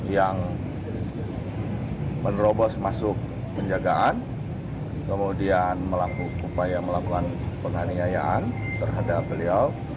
yang menerobos masuk penjagaan kemudian melakukan penganiayaan terhadap beliau